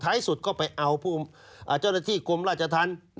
ท้ายสุดก็ไปเอาผู้เจ้าหน้าที่กลมราชทัน